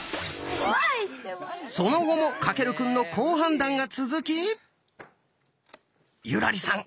その後も翔くんの好判断が続き優良梨さん